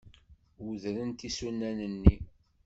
Udrent isunan-nni.